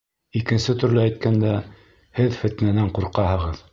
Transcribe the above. Икенсе төрлө әйткәндә, һеҙ фетнәнән ҡурҡаһығыҙ.